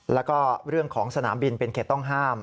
แล้วก็เรื่องของสนามบินเป็นเขตต้องห้าม